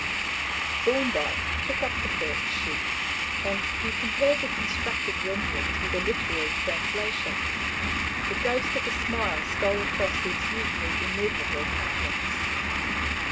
Thorndyke took up the first sheet, and as he compared the constructed renderings with the literal translation, the ghost of a smile stole across his usually immovable countenance.